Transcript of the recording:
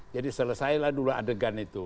jadi selesailah dulu adegan itu